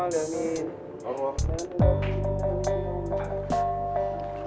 tidak ada yang bisa dikendali